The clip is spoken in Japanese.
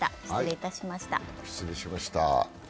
失礼いたしました。